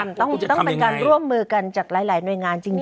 มันต้องเป็นการร่วมมือกันจากหลายหน่วยงานจริง